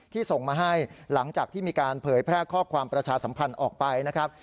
ส่งมาให้หลังจากที่มีการเผยแพร่ข้อความประชาสัมพันธ์ออกไปนะครับ